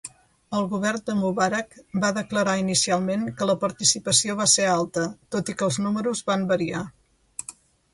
El govern de Mubarak va declarar inicialment que la participació va ser alta, tot i que els números van variar.